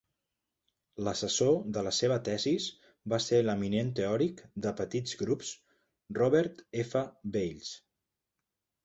L'assessor de la seva tesis va ser l'eminent teòric de petits grups Robert F. Bales.